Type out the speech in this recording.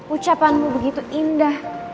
ucapanmu begitu indah